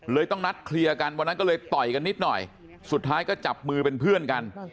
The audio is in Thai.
ต้องนัดเคลียร์กันวันนั้นก็เลยต่อยกันนิดหน่อยสุดท้ายก็จับมือเป็นเพื่อนกัน